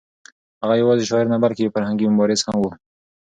هغه یوازې شاعر نه بلکې یو فرهنګي مبارز هم و.